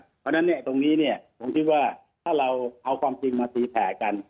เพราะฉะนั้นตรงนี้เนี่ยผมคิดว่าถ้าเราเอาความจริงมาตีแผ่กัน